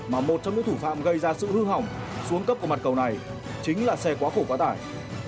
mà một trong những thủ phạm gây ra sự hư hỏng xuống cấp của mặt cầu này chính là xe quá khổ quá tải